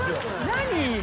何？